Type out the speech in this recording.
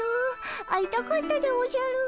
会いたかったでおじゃる。